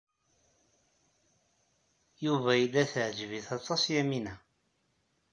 Yuba yella teɛǧeb-it aṭas Yamina.